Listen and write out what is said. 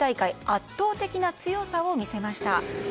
圧倒的な強さを見せました。